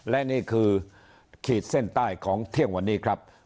และนี่คือขีดเส้นใต้ของเที่ยงวันนี้ครับ